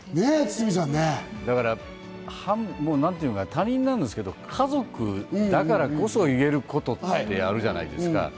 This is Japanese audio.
他人なんですけれども、家族だからこそ言えることってあるじゃないですか。